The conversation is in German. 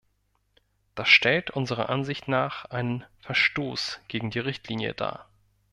Das stellt unserer Ansicht nach einen Verstoß gegen die Richtlinie dar.